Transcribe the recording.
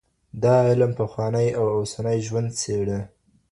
دا علم پخوانی او اوسنی ژوند څېړي.